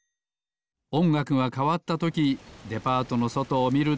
おんがくがかわったときデパートのそとをみると。